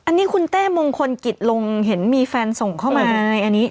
อันนี้คุณเต้มงคลกิจลงเห็นมีแฟนส่งเข้ามา